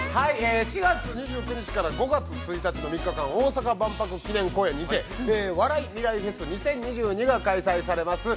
◆４月２９日から５月１日の３日間、大阪・万博記念公園にて「ＷａｒａｉＭｉｒａｉＦｅｓ２０２２」が開催されます。